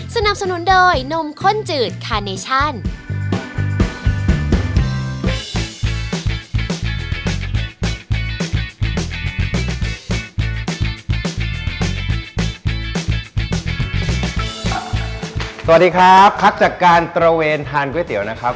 สวัสดีครับครับจากการตระเวนทานก๋วยเตี๋ยวนะครับ